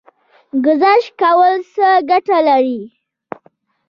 ګذشت کول څه ګټه لري؟